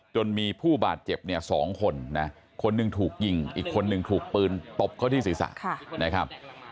จนมีผู้บาดเจ็บเนี่ย๒คนนะคนหนึ่งถูกยิงอีกคนนึงถูกปืนตบเข้าที่ศีรษะนะครับ